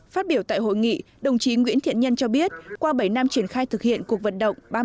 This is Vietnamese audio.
phát biểu tại hội nghị đồng chí nguyễn thiện nhân cho biết qua bảy năm triển khai thực hiện cuộc vận động